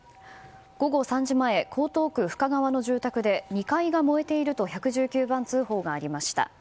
午後３時前、江東区深川の住宅で２階が燃えていると１１９番通報がありました。